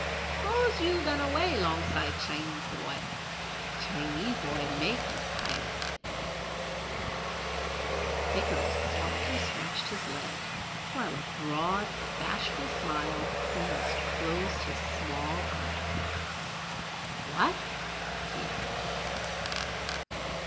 Spose you lun away longside Chinee boy Chinee boy makee you Pilat." Hickory softly scratched his leg while a broad, bashful smile, almost closed his small eyes. "Wot!" he asked.